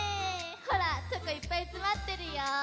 ほらチョコいっぱいつまってるよ。